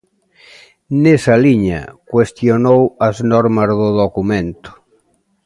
Nesa liña, cuestionou as normas do documento.